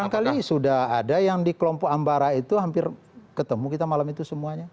barangkali sudah ada yang di kelompok ambara itu hampir ketemu kita malam itu semuanya